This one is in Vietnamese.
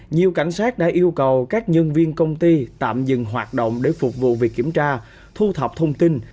nhiều cảnh sát đã yêu cầu các nhân viên công ty tạm dừng hoạt động để phục vụ việc kiểm tra thu thập thông tin